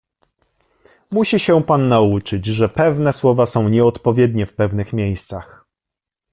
Musi się pan nauczyć, że pewne słowa są nieodpowiednie w pewnych miejscach.